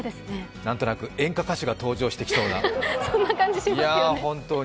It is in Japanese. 何となく演歌歌手が登場してきそうな、いやぁ、本当に。